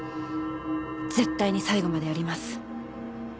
絶対に最後までやります。